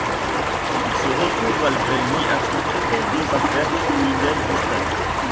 Il se retrouve malgré lui impliqué dans deux affaires criminelles distinctes.